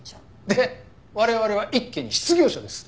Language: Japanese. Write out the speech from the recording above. で我々は一気に失業者です。